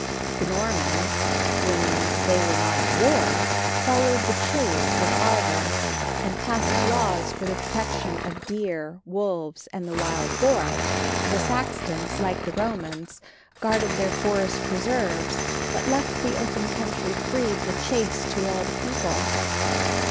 The Normans, when they were not at war, followed the chase with ardor, and passed laws for the protection of deer, wolves and the wild boar. The Saxons, like the Romans, guarded their forest preserves, but left the open country free for chase to all the people.